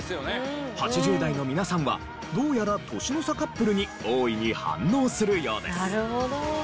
８０代の皆さんはどうやら年の差カップルに大いに反応するようです。